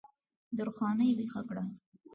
درخانۍ ویښه کړه